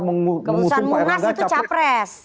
kemutusan mungas itu capres